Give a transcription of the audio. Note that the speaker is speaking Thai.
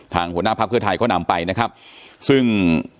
ทางหัวหน้าภาพเครือไทยก็นำไปนะครับซึ่ง